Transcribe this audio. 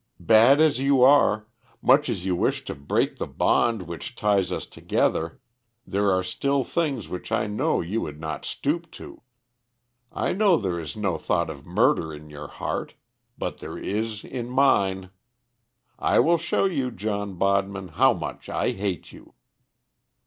Bad as you are, much as you wish to break the bond which ties us together, there are still things which I know you would not stoop to. I know there is no thought of murder in your heart, but there is in mine. I will show you, John Bodman, how much I hate you."